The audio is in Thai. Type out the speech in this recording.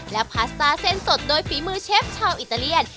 และพาสต้าเส้นสดโดยฝีมือเชฟชาวอิตาเลียน